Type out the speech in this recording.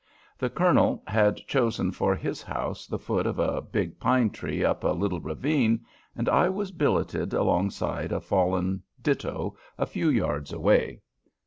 The colonel had chosen for his house the foot of a big pine tree up a little ravine, and I was billeted alongside a fallen ditto a few yards away.